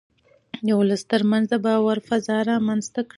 د ولس ترمنځ د باور فضا رامنځته کړئ.